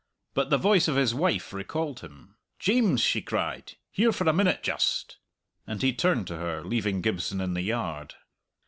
But the voice of his wife recalled him. "James!" she cried. "Here for a minute just," and he turned to her, leaving Gibson in the yard.